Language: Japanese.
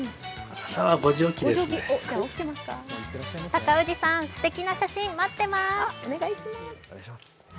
高氏さん、すてきな写真、待ってまーす。